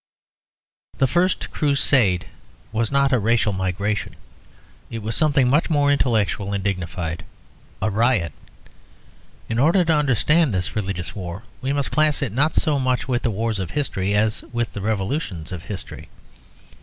The First Crusade was not a racial migration; it was something much more intellectual and dignified; a riot. In order to understand this religious war we must class it, not so much with the wars of history as with the revolutions of history.